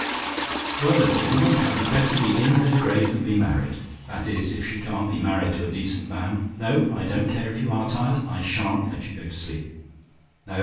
"Well, if a woman hadn't better be in her grave than be married! That is, if she can't be married to a decent man. No; I don't care if you are tired, I SHAN'T let you go to sleep.